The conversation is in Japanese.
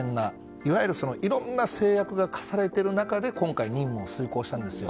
いわゆるいろんな制約がある中で今回、任務を遂行したんですよ。